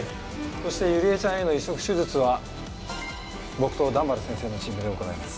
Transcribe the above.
そしてゆりえちゃんへの移植手術は僕と段原先生のチームで行います。